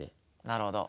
なるほど。